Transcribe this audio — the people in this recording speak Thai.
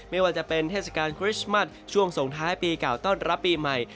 ไม่ว่าจะเป็นเทศกาลคริสต์มัสช่วงส่งท้ายปีเก่าต้อนรับปีใหม่